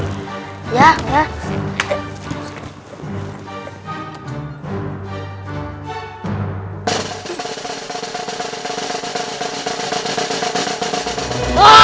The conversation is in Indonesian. masa udah muat